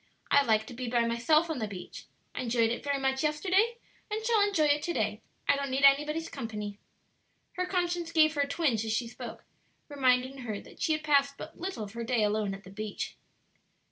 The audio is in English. "I like to be by myself on the beach; I enjoyed it very much yesterday, and shall enjoy it to day; I don't need anybody's company." Her conscience gave her a twinge as she spoke, reminding her that she had passed but little of her day alone on the beach.